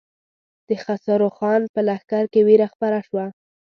د خسرو خان په لښکر کې وېره خپره شوه.